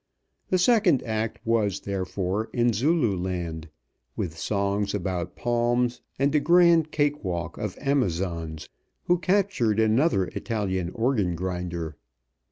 The second act was, therefore, in Zululand, with songs about palms and a grand cakewalk of Amazons, who captured another Italian organ grinder.